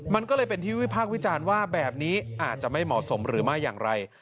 มันก็เลยเป็นที่วิพากษ์วิจารณ์ว่าแบบนี้อาจจะไม่เหมาะสมหรือไม่อย่างไร